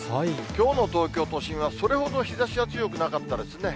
きょうの東京都心は、それほど日ざしは強くなかったですね。